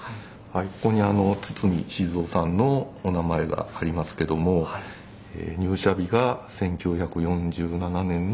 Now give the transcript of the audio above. ここに堤雄さんのお名前がありますけども入社日が１９４７年の９月５日ということで。